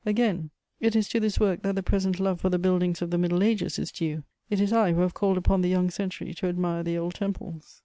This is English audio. Again, it is to this work that the present love for the buildings of the Middle Ages is due: it is I who have called upon the young century to admire the old temples.